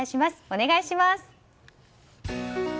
お願いします。